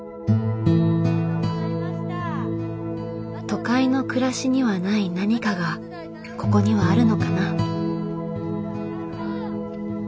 都会の暮らしにはない何かがここにはあるのかな。